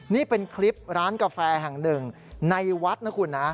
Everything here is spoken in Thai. นี่เป็นคลิปร้านกาแฟแห่งหนึ่งในวัดนะคุณนะ